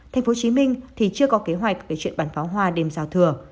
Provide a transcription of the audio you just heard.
thành phố chí minh thì chưa có kế hoạch về chuyện bắn pháo hoa đêm giao thừa